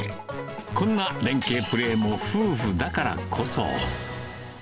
こんな連携プレーも、夫婦だからこそ。